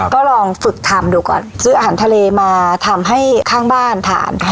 ก็ลองฝึกทำดูก่อนซื้ออาหารทะเลมาทำให้ข้างบ้านทาน